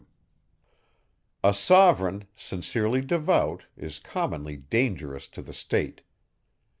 A sovereign, sincerely devout, is commonly dangerous to the state.